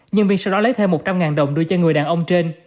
nhân viên sau đó lấy thêm một trăm linh đồng đưa cho người đàn ông trên